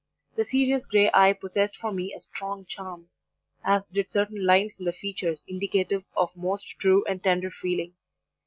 The serious grey eye possessed for me a strong charm, as did certain lines in the features indicative of most true and tender feeling.